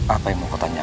apa yang mau kau tanyakan